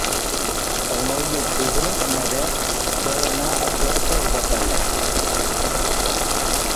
El nou d'octubre na Beth vol anar a Cortes de Pallars.